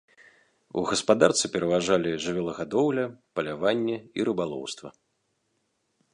У гаспадарцы пераважалі жывёлагадоўля, паляванне і рыбалоўства.